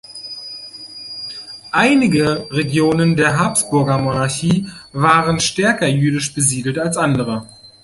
Einige Regionen der Habsburgermonarchie waren stärker jüdisch besiedelt als andere.